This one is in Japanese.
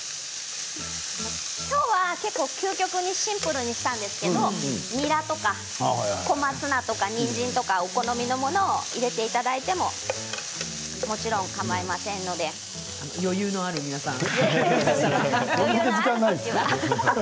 今日は究極にシンプルにしたんですけれどもニラとか小松菜とかにんじんとかお好みのものを入れていただいても、もちろん余裕のある皆さん。